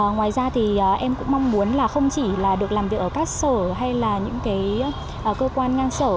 ngoài ra thì em cũng mong muốn là không chỉ là được làm việc ở các sở hay là những cái cơ quan ngang sở